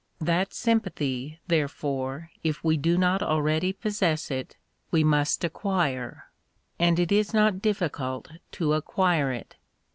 That sympathy, therefore, if we do not already possess it, we must acquire. And it is not difficult to acquire it.